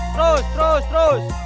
terus terus terus